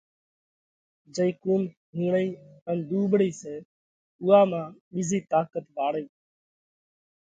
جئِي قُوم ھيڻئي ان ۮُوٻۯئِي سئہ اُوئا مانھ ٻِيزئِي طاقت واۯئِي